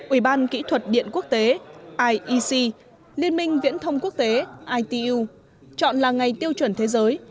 ubkdqt iec liên minh viễn thông quốc tế itu chọn là ngày tiêu chuẩn thế giới